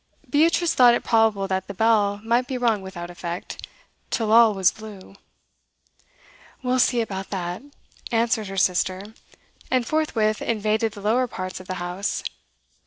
Beatrice thought it probable that the bell might be rung without effect, 'till all was blue.' 'We'll see about that,' answered her sister, and forthwith invaded the lower parts of the house.